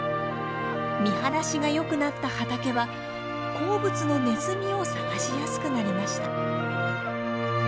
見晴らしがよくなった畑は好物のネズミを探しやすくなりました。